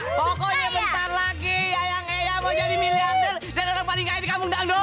pokoknya lagi yang mau jadi miliarder dari kabung danur